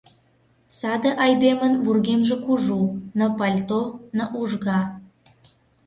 Саде айдемын вургемже кужу — ны пальто, ны ужга...